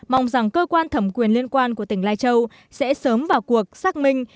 mong rằng cơ quan thẩm quyền liên quan của tỉnh lai châu sẽ sớm vào cuộc xác minh